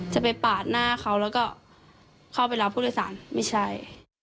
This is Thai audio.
จะไปปาดหน้าเขาแล้วก็เข้าไปรับผู้โดยสารไม่ใช่